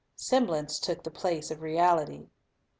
Semblance took the place of reality.